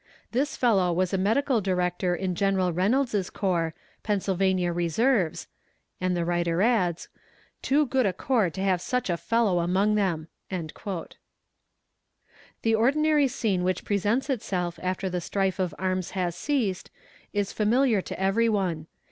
This fellow was a medical director in General Reynolds' corps, Pennsylvania Reserves," and the writer adds, "too good a corps to have such a fellow among them." The ordinary scene which presents itself after the strife of arms has ceased, is familiar to every one.